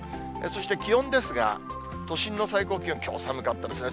そして気温ですが、都心の最高気温、きょう寒かったですね。